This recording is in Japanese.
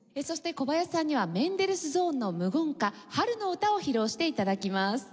そして小林さんにはメンデルスゾーンの「無言歌『春の歌』」を披露して頂きます。